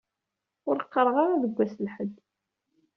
Ur qqaeɣ ara deg wass n lḥedd.